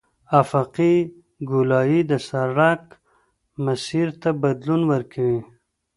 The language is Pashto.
افقي ګولایي د سرک مسیر ته بدلون ورکوي